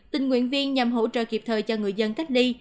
tình nguyện viên nhằm hỗ trợ kịp thời cho người dân cách ly